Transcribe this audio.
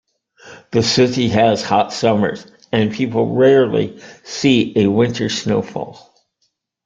The city has hot summers and people rarely see a winter snowfall.